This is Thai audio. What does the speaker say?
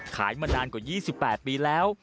มานานกว่า๒๘ปีแล้ว